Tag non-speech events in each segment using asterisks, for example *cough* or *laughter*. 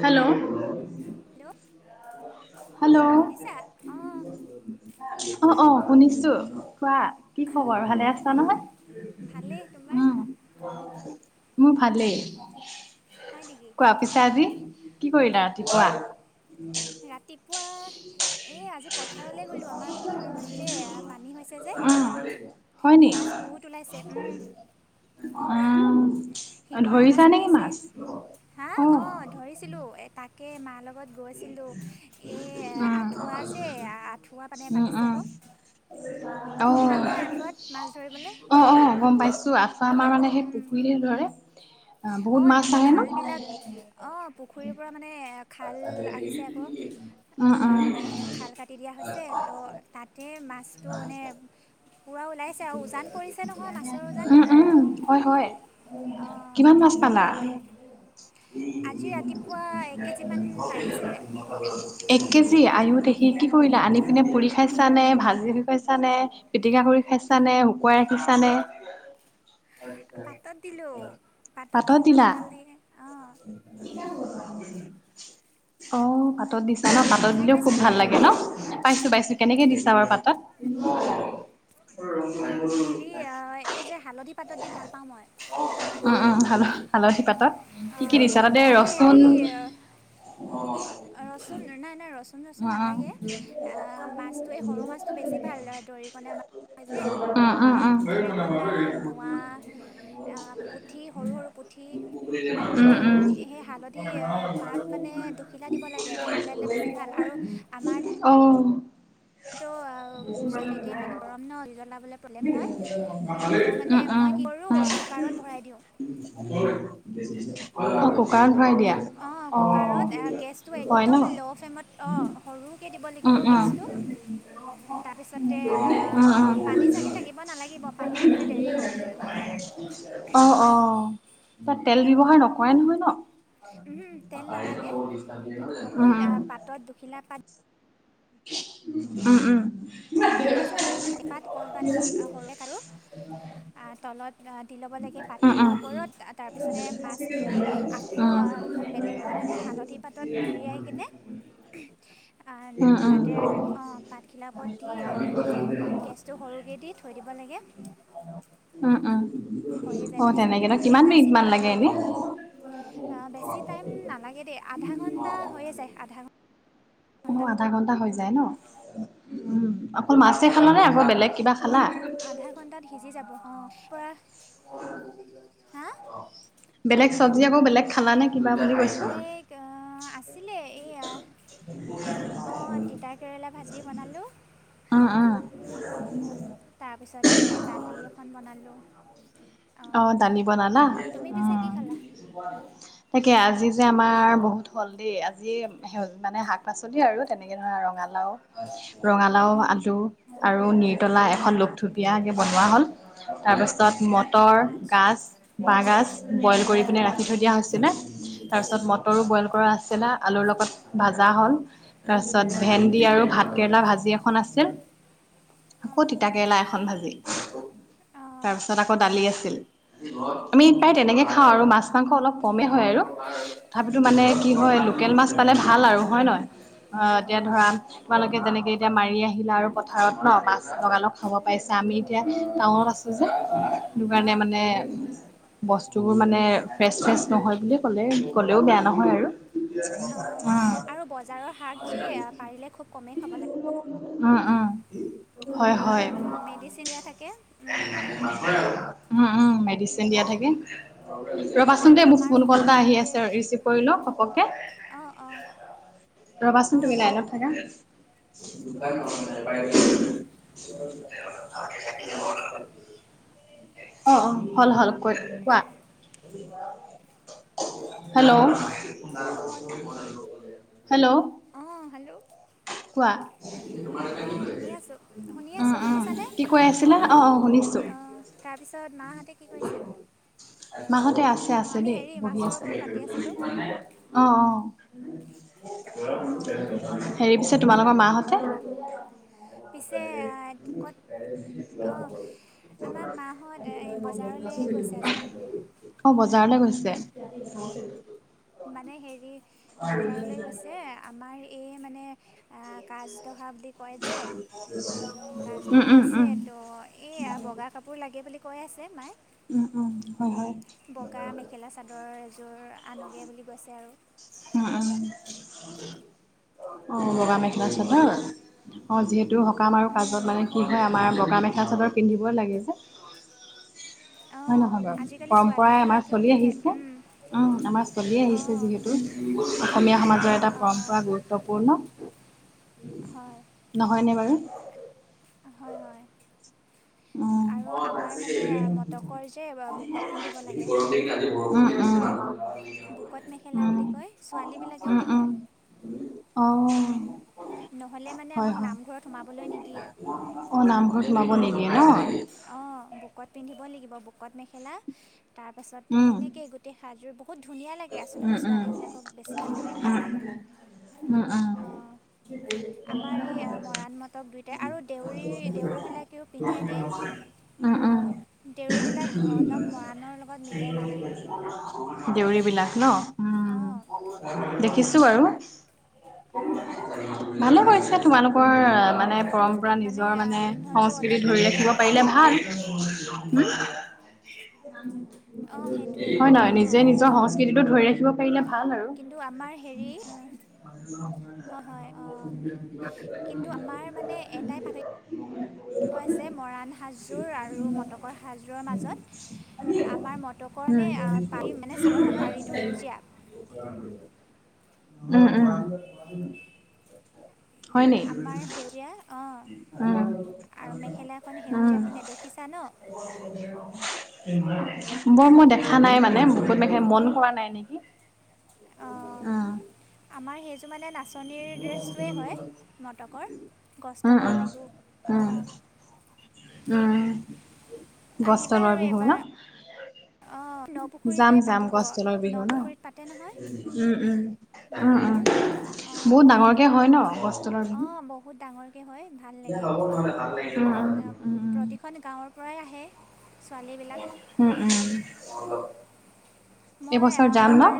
Hello hello hello শুনিছা অঁ অ অ হুনিচু খোৱা কি খবৰ ভালে অঁ আছা নহয় ভালেই তোমাৰ উম মোৰ ভালেই হয় নেকি কোৱা পিছে আজি কি কৰিলা ৰাতি পুৱা ৰাতিপুৱা এই আজি পথাৰলৈ গ'লোঁ আমাৰ পথাৰত যে পানী হৈছে যে উম হয় নি মাছ বহুত ওলাইছে আহ উম, শিঙৰা ধৰিছানে ওলাইছে মাছ হা অ ধৰিছিলোঁ তাকে মাৰ লগত গৈ গৈছিলো এ উম আঁঠুৱা জে আঁঠুৱা মানে উম পাতিছে উম বাৱ অ বহুত ভাল নহয় আঁঠুৱাত মাছ ধৰিবলে অ অ গম পাইছো আফা আমাৰ মানে সেই পুখুৰীহে ধৰে আহ অ বহুত মাছ এনেকুৱা আহে ন খাল বিলাক অ পুখুৰীৰ পৰা মানে খাল আহিছে আকৌ উম ওলাই উম মানে সেই খাল কাটি দিয়া হৈছে তো তাতে সটো মানে পূৰা ওলাইছে আৰু উজান পৰিছে নহয় মাছৰ উজান উম উম হয় হয় অঁ কিমান মাছ পালা আজি ৰাতিপুৱা এক কেজিমান লাগিছিলে এক কেজি আয়ু দে স কি কৰিলা আনি পিনে পুৰি খাইছা নে ভাজি বি খাইছা নে পিটিকা কৰি খাইছ নে শুকুৱাই ৰাখিছানে পাতত দিলো পাতত দি কিমান ভাল লাগে অ অ পাতত দিছা ন পাতত খাই দিলেও খুব ভাল পাইছানে লাগে ন পাইছো পাইছো কেনেকে দিছো চাবৰ পাতত হেৰি এই যে হালধি পাতত দি ভাল পাওঁ মই হালধি পাতত আলি পাতত কি কি অঁ, দিছা তাতে তাত যে ৰচুন হেৰি অ ৰচুন নাই নাই ৰচুন চচুন আহ নালাগে মাছটো এই সৰু মাছটো বেছি ভাল দৰিকণা মাছ হয় যে দৰিকণা উ উ মোৱা উ পুঠি সৰু সৰু পুঠি সেই হালধি উম পাত মানে দুখিলা দিব লাগে দুখিলা দিলে উম বেছি ভাল আৰু আমাৰ অ ইমান গৰম ন জ্বলাবলৈ প্ৰব্লেম হয় ত' উম মানে মই কি কৰো কুকাৰত ভৰাই দিওঁ কৰ এইটো অঁ কুকাৰত ভৰাই দিয়া অঁ কুকাৰত গেছটো অঁ হয় একদম ন ল' ফ্লেমত অঁ সৰুকৈ দিব উম লাগিব উম গেছটো তাৰপিছতে অ উম উম পানী চানী থাকিব নালাগিব পানী থাকিলে ডেৰিব অ অ তাত তেল ব্যবহাৰ নকৰে নহয় ন তেল নালাগে ওম ওম শিলা প উম উম ধুনীয়াকে জাপি এপাত কলপাত এ সৰু কাটো তলত কাটি ল'ব লাগে উম পাতখিলাৰ উম। ওপৰত তাৰপিছতে মাছখিনি আকৌ উম বেলেগ পৰিমাণে হালধি পাতত মেৰিয়াই কিনে উম উম তাতে অ পাতখিলা দি তেনেকৈ গেছটো সৰুকৈ দি থৈ দিব লাগে উম উম হৈয়ে যায় তেনেকে তাৰপিছত অ ন কিমান এটা মিনিট মান চিটি অ লাগে এনে অ বেছি টাইম নালাগে দেই আধা ঘন্টা হৈয়ে যায় আধা ঘ অ আধা ঘন্টা হৈ যায় ন উম অকল মাছে খাল নে আকৌ বেলেগ কিবা খালা আধা ঘন্টাত সিজি যাব অ পৰা হা বেলেগ চবজি আকৌ বেলেগ খালা নে কিবা বুলি কৈছো বেলেগ আছিলে এয়া অঁ তিতা কেৰেলা ভাজি বনালোঁ অ অ তাৰপিছতে দালি এখন বনালোঁ আ অ দালি বনালা তুমি পিছে কি উম খালা তাকে আজি যে আমাৰ বহুত হ'ল দেই আজি স মানে শাক পাচলি আৰু তেনেকে ধৰা ৰঙা আৰু ৰঙালাও আলু আৰু উম, নিউটেলা এখন লোকথুপীয়াকৈ হয় বনোৱা নেকি হ'ল তাৰপিছত মদ পাতৰ আচ্ছা গাজ বাঁহগাজ বইল কৰি পিনে ৰাখি অঁ থৈ দিয়া হৈছিলে তাৰপিছত মটৰো বইল কৰা আছিলে আলুৰ লগত ভাজা হ'ল তাৰপিছত ভেন্দি আৰু ভাত কেৰেলা অঁ ভাজি এখন আছিল। আকৌ অঁ তিতা কেৰেলা এখন ভাজি অঁ তাৰপিছত আ আকৌ দালি আছিল আমি অঁ প্ৰায় তেনেকে খাওঁ আৰু মাছ মাংস অলপ কমেই হয় আৰু হয় তথাপিতো নেকি মানে কি হয় লোকেল মাছ পালে ভাল আৰু হয় নহয় অ এতিয়া অঁ ধৰা তোমালোকে তেনেকৈ এতিয়া মাৰি আহিলে আৰু পথাৰত ন মাছ লগালগ খাব পাৰিছে আমি এতিয়া টাউনত আছোঁ যে সেইটো কাৰণে অঁ মানে বস্তুবোৰ মানে ফ্ৰেছ ফ্ৰেছ নহয় বুলি ক'লে ক'লেও বেয়া নহয় আৰু অঁ উম আৰু বজাৰৰ শাক যে পাৰিলে খুব কমেই খাব লাগে উম উম হয় হয় মেডিচিনি দিয়া থাকে। উম ওম মেডিচিন দিয়া থাকে ৰ'বাচোন দে মোৰ আমাৰো ফোন কল এটা আহি ঘৰতে আছে ৰিচিভ কৰি ঘপকৈ কে অ অ ৰবাচোন তুমি লাইনত থাকা ন ন অ অ হল হল কত কোৱা হেল্ল' হয় নেকি হেল্ল' অঁ হেল্ল' কোৱা উ অঁ শুনি আছোঁ শুনি আছোঁ উম শুনিছানে কি কৈ আছিলা অ অ শুনিছো অঁ তাৰপিছত মাহঁতে কি কৰিছে মাহতে আছ অঁ আছে আমি দেই হেৰি বহি মাছৰ আছে ওপৰত পাতি আছিলোঁ অ অ অঁ হেৰি পিছে তোমালোকৰ মা *inaudible* অঁ পিছে ক'ত অঁ আমাৰ মাহঁত এই বজাৰলৈ গৈছে আজি অ' ব যওঁতে গৈছে মানে হেৰি বজাৰলৈ গৈছে আমাৰ এই মানে কাজদহা বুলি কয় যে উম উম, কচডহা উম, আছে উম, ত' এইয়া বগা কাপোৰ লাগে বুলি কৈ আছে মাই উম উম হয় হয় মেখেলা চাদৰ এযোৰ আনোগৈ বুলি কৈছে আৰু উম উম অ বগা মেখেলা চ ন অঁ যিহেতু সকাম আৰু কাজত মানে কি হয় আমাৰ বগা মেখেলা চাদৰ পিন্ধিবই লাগে যে হয় অঁ নহয় বাৰু আজিকালি পৰম্পৰা আমাৰ ছোৱালীবিলাকেও চলি পিন্ধে আহিছে উ আমাৰ চলি আহিছে অঁ যিহেতু অসমীয়া সমাজৰ এটা অঁ পৰম্পৰা গুৰুত্বপূৰ্ণ হয় নহয়নে বাৰু হয় হয় আৰু আমাৰ মানে ৰ মটকৰ যে বুকত পিন্ধিব উ লাগে উম বুকত মেখেলা বুলি কয় ছোৱালীবিলাকেও উম উম উম পিন্ধে অ নহ'লে মানে হয় আমাক হয় নামঘৰত সোমাবলৈ নিদিয়ে এিয় ন অঁ বুকত পিন্ধিবই লাগিব বুকত মেখেলা তাৰ পাছতে উম সেনেকে গোটেই সাজযোৰ বহুত খুব ধুনীয়া লাগে আচলতে উম উম ছোৱালীবিলাকক বেছি ভাল লাগে দেখাত উম উ অঁ আমাৰ এই মৰাণ মতক দুয়োটাই আৰু দেউৰী দেউৰীবিলাক লক্ষ্মি নছে দেৰ বিলাক অলপ মৰাণৰ লগত মিলে মানে দেউৰী বিলাক ন? অঁ উম দেখিছো। বাৰু, অঁ ভালে কৰি তোমালোকৰ মানে কিন্তু পৰম্পৰা পিন নিজৰ আ, মানে পিন্ধনটো সংস্কৃতি অলপ ধৰি বেলেগ ৰাখিব আৰু পাৰিলে ভাল। *unintelligible* অ সেইটো হয় নহয়? নিজে নিজৰ সংস্কৃতিটো ধৰি ৰাখিব পাৰিলে। ভাল আৰু। কিন্তু আমাৰ হেৰি আ, হয় হয় অঁ কিন্তু আমাৰ মানে এটাই প আছে মৰাণ সাজযোৰ আৰু মটকৰ সাজযোৰৰ মাজত আমাৰ মটকৰ মানে উম। আহ, পাৰি মানে চাদৰখনৰ পাৰিটো সেউজীয়া *unintelligible* উম, উম। হয় নি আমাৰ সেউৰীয়া। উম অঁ। আৰু মেখেলা এখন উম সেউজীয়া পিন্ধে দেখিছা ন? বাৰু মই দেখা নাই মানে *unintelligible* মন কৰা নাই নেকি। অঁ উম। আমাৰ সেইযোৰ মানে নাচনীৰ ড্ৰেছটোৱেই হয় নাটকৰ। উম উম গছতলৰ বিহু। অ। উম উম গছ আহিবা তলৰ আৰু বিহু এবাৰ ন। অঁ নপুখুৰীতে যাম যাম পাতিব গছতলৰ বিহু ন, নপুখুৰীত পাতে নহয় উম-উম-উম-উম। মটকৰ বিহু অঁ বহুত ডাঙৰকে হয় ন গছতলৰ বিহু? অঁ বহুত ডাঙৰকৈ হয়। ভাল উম, লাগে। উম, প্ৰতিখন গাঁওৰ উম উম মই এইবছৰ যাম ন। এইবাৰ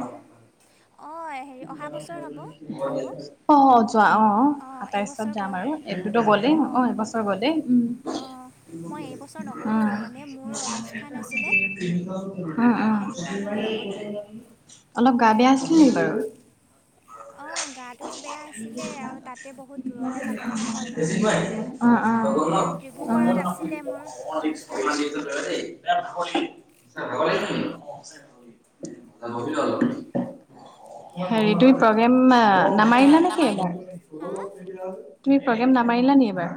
অঁ হে অহা বছৰ হ'ব। আকৌ অ যোৱা অ। অ অঁ সাতাইশত এইবছৰ যাম গ'ল আৰু, এইটোতো অঁ গলেই অ অঁ এবছৰ গলেই উম। অঁ মই এইবছৰ নগ'লোঁ মানে মোৰ অনুষ্ঠান আছিলে সেইটো কাৰণে মই নগ'লোঁ উম-উম-উম। অলপ গা বেয়া আছিল নেকি বাৰু? অঁ গাটো বেয়া আছিলে আৰু তাতে বহুত দূৰলৈ যাব অ লগা হ'ল মই ডিব্ৰুগড়ত আছিলে অ। মোৰ অনুষ্ঠান *unintelligible* *unintelligible* হেৰি তুমি প্ৰগ্ৰেম নামাৰিলা নেকি এইবাৰ? হা প্ৰগ্ৰেম নামাৰিলা নি এবাৰ?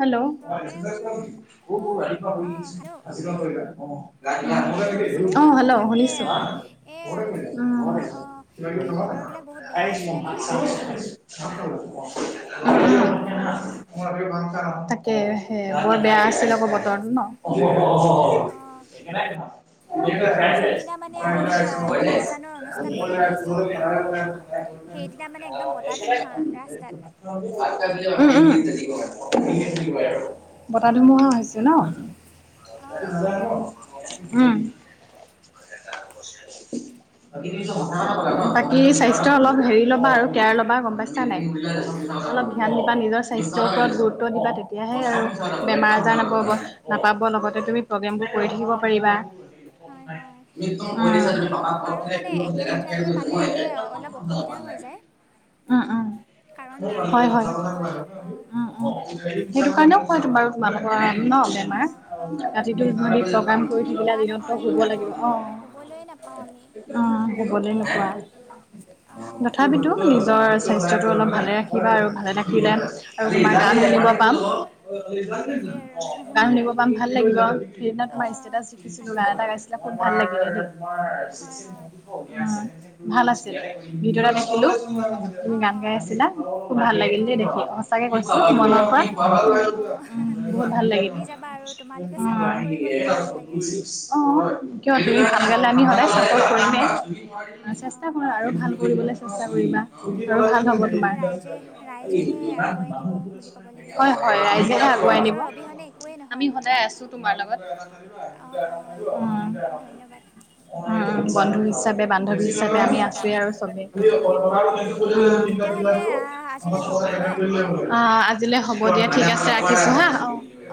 হেল্ল'। প্ৰগ্ৰেম অঁ হেল্ল' প্ৰগ্ৰাম গৈছিলোঁ আহ হেল্ল' তাকে শুনিছো। আহ। এই অঁ অঁ এই বতৰবিলাক বহুত বেয়া আছিলে নহয় এবাৰ *unintelligible* তাকে। এ বৰ মানে বেয়া অনুষ্ঠান আছিল আকৌ অঁ বতৰটো অনু- ন। অঁ *unintelligible* *unintelligible* যোনদিনা মানে আমি আহ, দুলীয়াজানৰ অনুষ্ঠানখনত গৈছোঁ সেইদিনা মানে একদম বতাহ ধুমুহা ৰাস্তাত বতাহ ধুমুহা হৈছে ন? অঁ উম। *unintelligible* বাকী স্বাস্থ্য অলপ হেৰি ল'বা আৰু কেয়াৰ ল'বা গম পাইচা নাই। অলপ অঁ ধ্যান দিবা সেইটোৱে আৰু নিজৰ স্বাস্থ্যৰ ওপৰত গুৰুত্ব গুৰুত্ব দিবা তেতিয়াহে আৰু বেমাৰ আজাৰ নাপাব, নাপাব লগতে তুমি প্ৰগ্ৰেমবোৰ কৰি থাকিব পাৰিবা। হয় হয় আৰু মানে একেলেঠাৰিয়ে পালে মানে অলপ অসুবিধা হৈ *unintelligible* যায় *unintelligible* উম-উম, কাৰণ আহ, টোপনি হয়-হয়, ক্ষতি হয় অঁ উম-উম। সেইটো কাৰণেও কয় তোমালোক *unintelligible* ন, বেমাৰ অঁ অঁ ৰাতিটো অঁ নৃত্য কাম কৰি অঁ থাকিলে, শোৱা দিনতো নহয় শুব অঁ লাগিব অ'। শুবলৈ নাপাওঁ আমি। অ শুবলৈ অঁ তথাপিতো নিজৰ স্বাস্থ্যটো অলপ ভালে ৰাখিবা আৰু ভালে ৰাখিলে আৰু তোমাৰ গান শুনিব পাম। সেইটোৱে আৰু গান শুনিব পাম, ভাল লাগিব। সেইদিনা তোমাৰ অঁ ষ্টেটাছ দেখিছিলো। গান তাকে এটা গাইছিলে খুব ভাল লাগিল হয় হয় সদ ভাল আছিল, ভিতৰত দেখিলো অঁ তুমি অঁ গান গাই অঁ আছিলা, খুব ভাল লাগিল। অঁ দেখি সঁচাকে কৈ অঁ মনত পৰাই উ, ধন্যবাদ অঁ বহুত ভাল লাগিল, উ। শুনি যাবা আৰু তোমালোকে ছাপৰ্ট কৰি গ'লেই ভাল লাগে অ, কিয় অঁ ভালগালে আমি সদায় চাপৰ্ট কৰিমে। অঁ চেষ্টা অঁ কৰা আৰু ভাল কৰিবলৈ চেষ্টা অঁ কৰিবা আৰু ভাল ৰাইজে ৰাইজেহে আগুৱাই নিব বুলি ক'ব লাগিব হয়, এতিয়া হয়, ৰাইজেহে আগুৱাই নিব। ৰাইজৰ অবিহনে একোৱেই আমি নহয় সদায় আছো, তোমাৰ লগত। অঁ অঁ তাকে ধন্যবাদ উম, বন্ধু হিচাপ বান্ধৱী হিচাপে আমি আছোৱে আৰু চবেই অঁ তেতিয়াহ'লে আহ আজিলৈ হ'ব ন অ, আজিলৈ হ'ব। হ'ব দিয়া ঠিক আছে অঁ ৰাখিছো অঁ হা।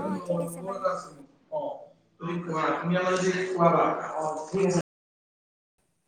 অঁ ঠিক আছে বাৰু অ, তুম কোৱা তুমি যদি কোৱাবা অ, ঠিক আছে।